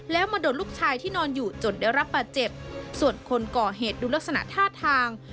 แล้วมาโดนลูกชายที่นอนอยู่จนได้รับบาดเจ็บส่วนคนก่อเหตุดูลักษณะท่าทาง